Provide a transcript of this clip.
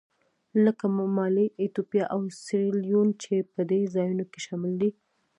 لکه مالي، ایتوپیا او سیریلیون چې په دې ځایونو کې شامل دي.